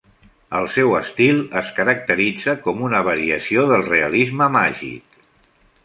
El seu estil es caracteritza com una variació del realisme màgic.